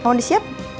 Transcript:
kamu udah siap